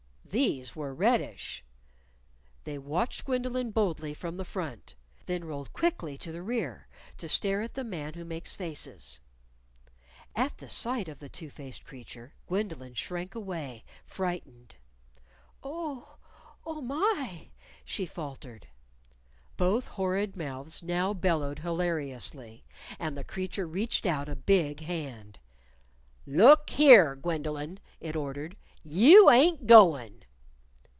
These were reddish. They watched Gwendolyn boldly from the front; then rolled quickly to the rear to stare at the Man Who Makes Faces. At sight of the two faced creature, Gwendolyn shrank away, frightened. "Oh! oh, my!" she faltered. Both horrid mouths now bellowed hilariously. And the creature reached out a big hand. "Look here, Gwendolyn!" it ordered. "You ain't goin'!"